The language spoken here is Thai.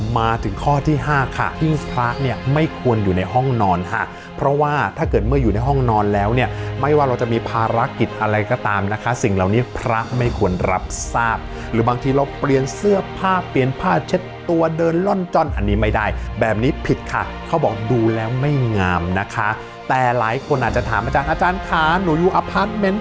มาถึงข้อที่ห้าค่ะหิ้งพระเนี่ยไม่ควรอยู่ในห้องนอนค่ะเพราะว่าถ้าเกิดเมื่ออยู่ในห้องนอนแล้วเนี่ยไม่ว่าเราจะมีภารกิจอะไรก็ตามนะคะสิ่งเหล่านี้พระไม่ควรรับทราบหรือบางทีเราเปลี่ยนเสื้อผ้าเปลี่ยนผ้าเช็ดตัวเดินล่อนจ้อนอันนี้ไม่ได้แบบนี้ผิดค่ะเขาบอกดูแล้วไม่งามนะคะแต่หลายคนอาจจะถามอาจารย์ค่ะหนูอยู่อพาร์ทเมนต์